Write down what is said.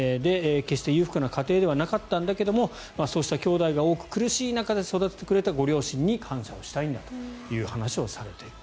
決して裕福な家庭ではなかったんだけどそうしたきょうだいが多く苦しい中で育ててくれたご両親に感謝したいんだと話している。